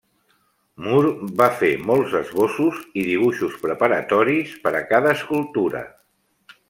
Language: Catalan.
Moore va fer molts esbossos i dibuixos preparatoris per a cada escultura.